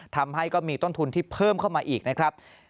ทำให้ก็มีต้นทุนที่เพิ่มเข้ามาอีกนะครับ